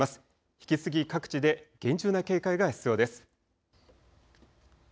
引き続き各地で厳重な警戒が必要です。